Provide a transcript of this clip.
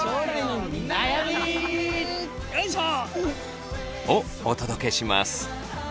よいしょ！をお届けします。